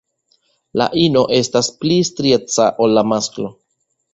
La ino estas pli strieca ol la masklo.